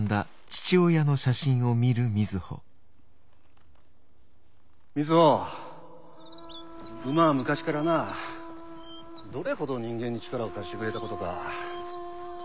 回想瑞穂馬は昔からなどれほど人間に力を貸してくれたことか。